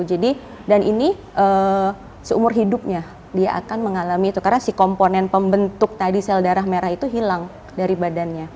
jadi dan ini seumur hidupnya dia akan mengalami itu karena si komponen pembentuk tadi sel darah merah itu hilang dari badannya